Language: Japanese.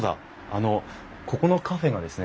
あのここのカフェがですね